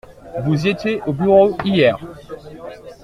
Vous étiez au bureau hier ?